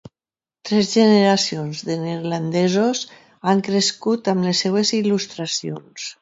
Tres generacions de neerlandesos han crescut amb les seves il·lustracions.